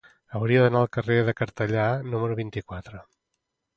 Hauria d'anar al carrer de Cartellà número vint-i-quatre.